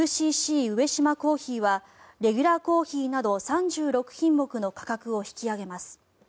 ＵＣＣ上島珈琲はレギュラーコーヒーなど３６品目の価格を引き上げます。